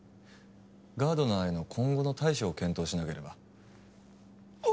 ガードナーへの今後の対処を検討しなければ。